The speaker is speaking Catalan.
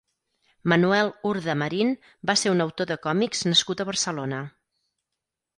Manuel Urda Marín va ser un autor de còmics nascut a Barcelona.